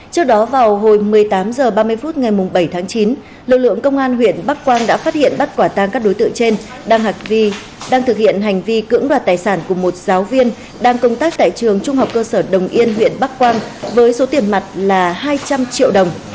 trước đó vào hồi một mươi tám h ba mươi phút ngày bảy tháng chín lực lượng công an huyện bắc quang đã phát hiện bắt quả tang các đối tượng trên đang thực hiện hành vi cưỡng đoạt tài sản của một giáo viên đang công tác tại trường trung học cơ sở đồng yên huyện bắc quang với số tiền mặt là hai trăm linh triệu đồng